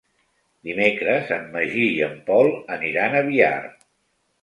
Dimecres en Magí i en Pol aniran a Biar.